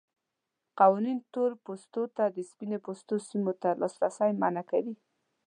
قوانین تور پوستو ته د سپین پوستو سیمو ته لاسرسی منع کوي.